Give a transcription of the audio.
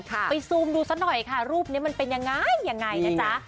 ไปซูมดูซะหน่อยค่ะรูปนี้มันเป็นยังไงยังไงนะจ๊ะ